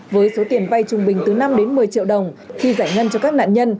với số tiền vay trung bình từ năm đến một mươi triệu đồng khi giải ngân cho các nạn nhân